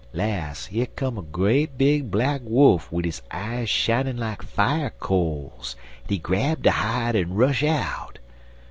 Las', yer come a great big black wolf wid his eyes shinin' like fier coals, en he grab de hide and rush out.